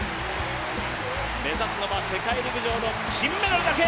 目指すのは世界陸上の金メダルだけ。